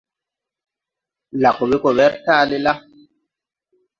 Lag we go wer taale la.